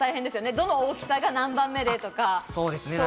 どの大きさが何番目でとか。